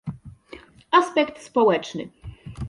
Aspekt społeczny